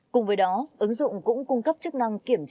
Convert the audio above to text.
cùng với đó ứng dụng cũng cung cấp chức năng kiểm tra